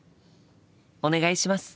お願いします！